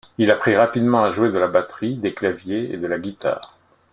Il apprit rapidement à jouer de la batterie, des claviers et de la guitare.